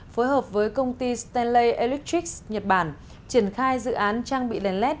phối hợp với công ty stanley electrix nhật bản triển khai dự án trang bị đèn led